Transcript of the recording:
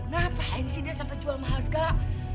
kenapa insidennya sampai jual mahal segala